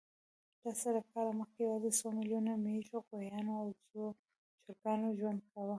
لس زره کاله مخکې یواځې څو میلیونو مېږو، غویانو، اوزو او چرګانو ژوند کاوه.